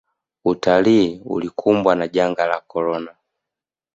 utalii ulikumbwa na janga la korona